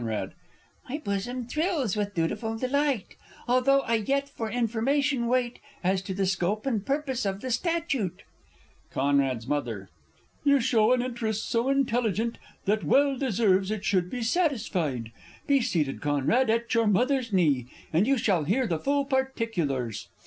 _ My bosom thrills with dutiful delight Although I yet for information wait As to the scope and purpose of the statute. C.'s M. You show an interest so intelligent That well deserves it should be satisfied, Be seated, Conrad, at your Mother's knee, And you shall hear the full particulars.